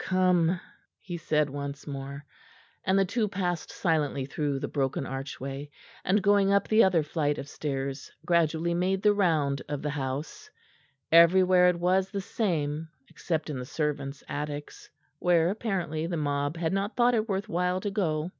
"Come," he said once more; and the two passed silently through the broken archway, and going up the other flight of stairs, gradually made the round of the house. Everywhere it was the same, except in the servants' attics, where, apparently, the mob had not thought it worth while to go.